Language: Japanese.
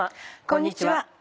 こんにちは。